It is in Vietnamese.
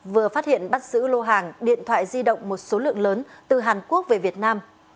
vừa phát hiện bắt giữ lô hàng điện thoại di động một số lượng lớn từ hàn quốc về việt nam